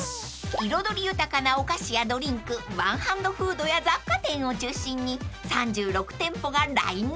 ［彩り豊かなお菓子やドリンクワンハンドフードや雑貨店を中心に３６店舗がラインアップ］